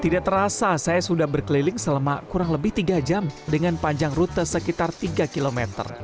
tidak terasa saya sudah berkeliling selama kurang lebih tiga jam dengan panjang rute sekitar tiga km